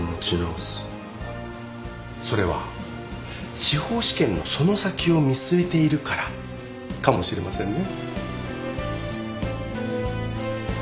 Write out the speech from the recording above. それは司法試験のその先を見据えているからかもしれませんね。